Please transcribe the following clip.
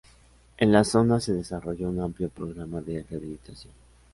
En la zona se desarrolló un amplio programa de rehabilitación.